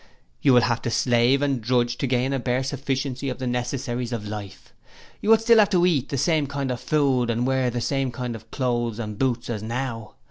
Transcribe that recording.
You will still have to slave and drudge to gain a bare sufficiency of the necessaries of life. You will still have to eat the same kind of food and wear the same kind of clothes and boots as now.